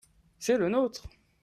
c'est le nôtre.